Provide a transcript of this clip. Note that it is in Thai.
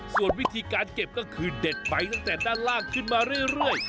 ส่วนวิธีการเก็บก็คือเด็ดไปตั้งแต่ด้านล่างขึ้นมาเรื่อย